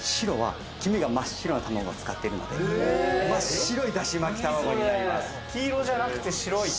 真っ白いだしまき玉子になります。